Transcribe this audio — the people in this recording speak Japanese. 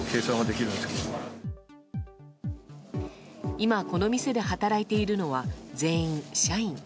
今、この店で働いているのは全員、社員。